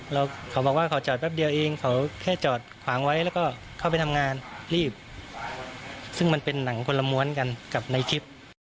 แล้วเขาบอกว่าเขาจอดแป๊บเดียวเองเขาแค่จอดขวางไว้แล้วก็เข้าไปทำงานรีบซึ่งมันเป็นหนังคนละม้วนกันกับในคลิป